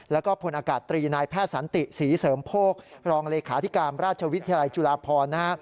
แล้วก็พลอากาศตรีนายแพทย์สันติศรีเสริมโภครองเลขาธิการราชวิทยาลัยจุฬาพรนะฮะ